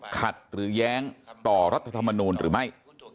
ขัดหรือแย้งต่อรัฐธรรมนูลหรือไม่